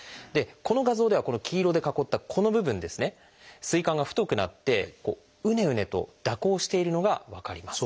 この画像では黄色で囲ったこの部分膵管が太くなってうねうねと蛇行しているのが分かります。